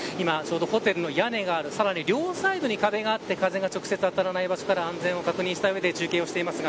ホテルの屋根があり、両サイドに壁があって風が直接当たらない場所から安全を確認した上で中継をしています。